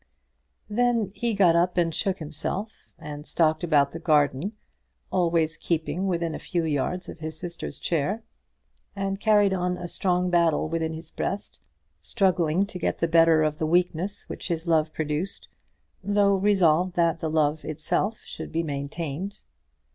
Then he got up and shook himself, and stalked about the garden, always keeping within a few yards of his sister's chair, and carried on a strong battle within his breast, struggling to get the better of the weakness which his love produced, though resolved that the love itself should be maintained.